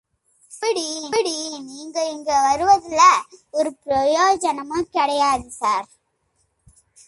எப்படி.. நீங்க இங்க வருவதுல ஒரு பிரயோசனமும் கிடையாது சார்.